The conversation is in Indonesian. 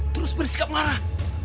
terus bersikap marah